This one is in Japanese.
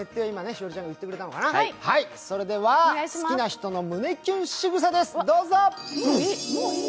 それでは好きな人の胸キュンしぐさです、どうぞ。